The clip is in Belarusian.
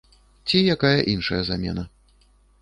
Ці якая іншая замена.